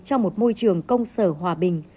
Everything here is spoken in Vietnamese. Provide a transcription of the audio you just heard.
trong một môi trường công sở hòa bình